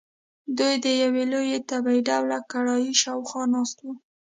دوی د یوې لویې تبۍ ډوله کړایۍ شاخوا ناست وو.